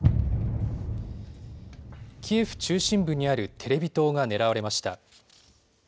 キエフ中心部にあるテレビ塔が狙われました。